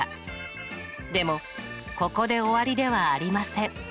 でもここで終わりではありません。